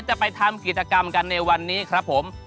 จะไปทำกิจกรรมกันในวันนี้ครับผม